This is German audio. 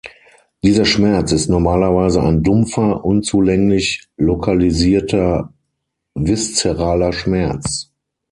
Dieser Schmerz ist normalerweise ein dumpfer, unzulänglich lokalisierter, viszeraler Schmerz.